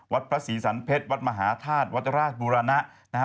วัดพระศรีสันเพชรวัดมหาธาตุวัดราชบุรณะนะฮะ